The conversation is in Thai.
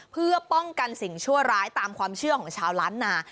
เพื่อป้องกันสิ่งชั่วร้ายตามความเชื่อของชาวล้านนา